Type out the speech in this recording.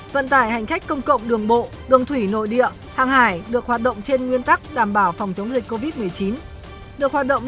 vận tải hành khách công cộng đường bộ đường thủy nội địa hàng hải được hoạt động trên nguyên tắc đảm bảo phòng chống dịch covid một mươi chín